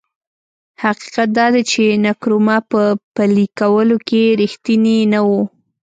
حقیقت دا دی چې نکرومه په پلي کولو کې رښتینی نه و.